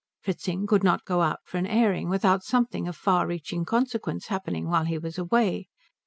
Fritzing could not go out for an airing without something of far reaching consequence happening while he was away.